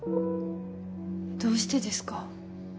どうしてですか？